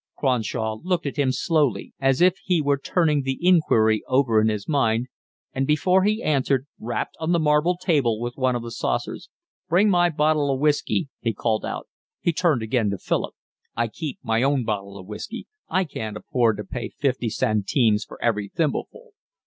Cronshaw looked at him slowly, as if he were turning the inquiry over in his mind, and before he answered rapped on the marble table with one of the saucers. "Bring my bottle of whiskey," he called out. He turned again to Philip. "I keep my own bottle of whiskey. I can't afford to pay fifty centimes for every thimbleful."